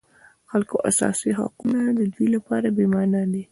د خلکو اساسي حقونه د دوی لپاره بېمعنا دي.